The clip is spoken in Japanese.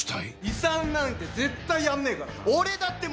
遺産なんて絶対やんねーからな！